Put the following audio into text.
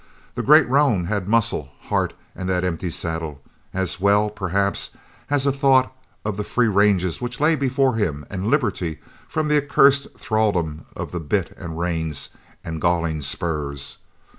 The great roan had muscle, heart, and that empty saddle; as well, perhaps, as a thought of the free ranges which lay before him and liberty from the accursed thraldom of the bit and reins and galling spurs.